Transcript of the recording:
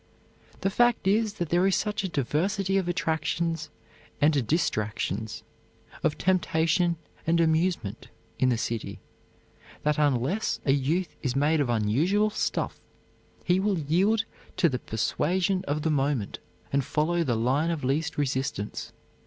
The fact is that there is such a diversity of attractions and distractions, of temptation and amusement in the city, that unless a youth is made of unusual stuff he will yield to the persuasion of the moment and follow the line of least resistance.